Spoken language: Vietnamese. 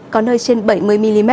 có nơi trên bảy mươi mm